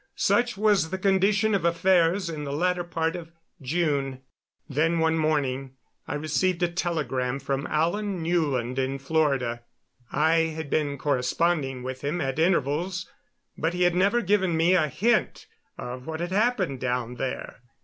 Such was the condition of affairs in the latter part of June. Then, one morning, I received a telegram from Alan Newland in Florida. I had been corresponding with him at intervals, but he had never given me a hint of what had happened down there.